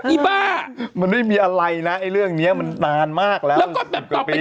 อีบ้ามันไม่มีอะไรนะเรื่องนี้มันนานมากแล้วอีบกว่าปี